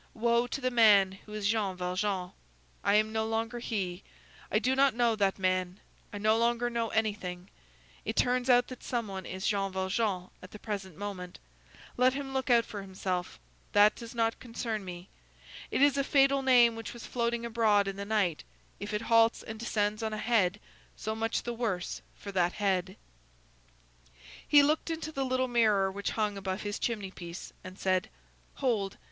Woe to the man who is Jean Valjean! I am no longer he; I do not know that man; I no longer know anything; it turns out that some one is Jean Valjean at the present moment; let him look out for himself; that does not concern me; it is a fatal name which was floating abroad in the night; if it halts and descends on a head, so much the worse for that head." He looked into the little mirror which hung above his chimney piece, and said:— "Hold!